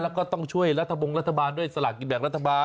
แล้วก็ต้องช่วยรัฐบงรัฐบาลด้วยสลากกินแบ่งรัฐบาล